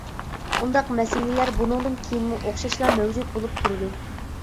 ئۇنداق مەسىلىلەر بۇنىڭدىن كېيىنمۇ ئوخشاشلا مەۋجۇت بولۇپ تۇرىدۇ.